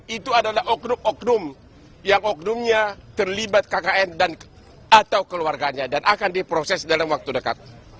itu adalah oknum oknum yang oknumnya terlibat kkn atau keluarganya dan akan diproses dalam waktu dekat